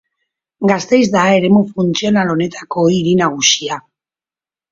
Gasteiz da eremu funtzional honetako hiri nagusia.